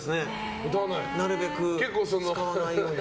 なるべく使わないように。